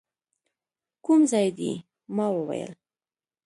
کوم ځای دی؟ ما وویل.